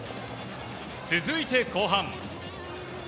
続いて、後半。